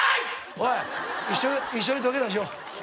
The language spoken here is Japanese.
おい一緒に土下座しよう。